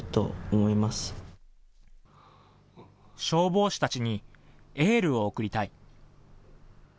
消防士たちにエールを送りたい。